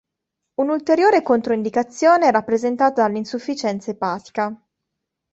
Un'ulteriore controindicazione è rappresentata dall'insufficienza epatica.